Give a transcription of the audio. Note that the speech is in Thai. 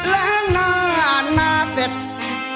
และนานมาเสร็จ